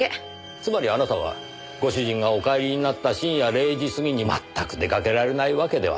つまりあなたはご主人がお帰りになった深夜０時過ぎに全く出かけられないわけではなかった。